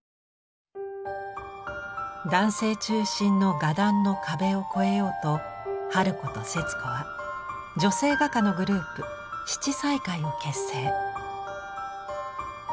男性中心の画壇の壁を越えようと春子と節子は女性画家のグループ「七彩会」を結成。